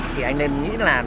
thì anh nên nghĩ là